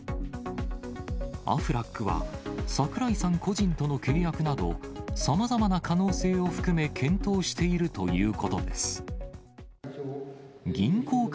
アフラックは、櫻井さん個人との契約など、さまざまな可能性を含め、検討しているということです。